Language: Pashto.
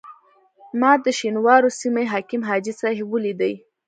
ما د شینوارو سیمې حکیم حاجي صاحب ولیدی.